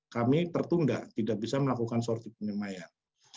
kami tertunda tidak bisa melakukan sortib penyemayan